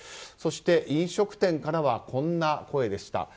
そして、飲食店からはこんな声でした。